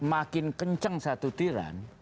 makin kencang satu tiran